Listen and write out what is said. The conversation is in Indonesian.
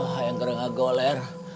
hayang kering kering goler